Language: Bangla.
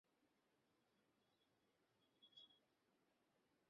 যত বিলম্ব হইবে, ততই তাহারা পচিবে আর ধ্বংসও তত ভয়ানক হইবে।